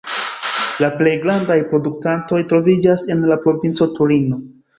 La plej grandaj produktantoj troviĝas en la provinco Torino.